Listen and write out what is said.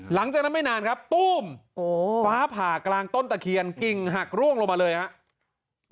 หลังจากนั้นไม่นานครับตู้มฟ้าผ่ากลางต้นตะเคียนกิ่งหักร่วงลงมาเลยครับ